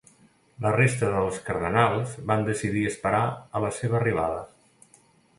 La resta dels cardenals van decidir esperar a la seva arribada.